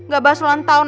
gak bahas ulang tahun